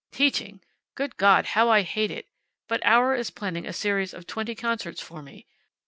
Teaching! Good God, how I hate it! But Auer is planning a series of twenty concerts for me.